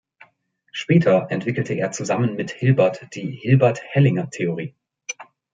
Später entwickelte er zusammen mit Hilbert die Hilbert-Hellinger-Theorie.